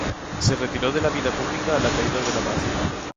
Se retiró de la vida pública a la caída de Paz.